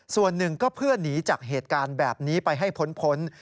ส่วนหนึ่งก็เพื่อหนีจากเหตุการณ์แบบนี้ไปให้พ้น